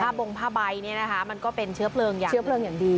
บงผ้าใบเนี่ยนะคะมันก็เป็นเชื้อเพลิงอย่างเชื้อเพลิงอย่างดี